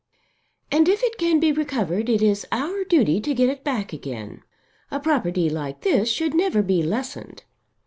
"And if it can be recovered it is our duty to get it back again. A property like this should never be lessened.